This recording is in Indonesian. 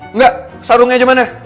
enggak sarungnya aja mana